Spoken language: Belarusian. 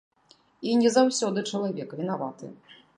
І не заўсёды чалавек вінаваты.